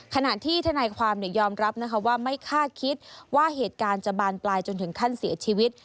ขณะที่ทนายความยอมรับนะคะว่าไม่คาดคิดว่าเหตุการณ์จะบานปลายจนถึงขั้นเสียชีวิต